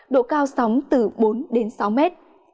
độ cao sóng từ bốn đến sáu mét